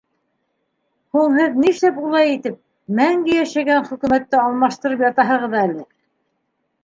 — Һуң һеҙ ни эшләп улай итеп, мәңге йәшәгән хөкүмәтте алмаштырып ятаһығыҙ әле?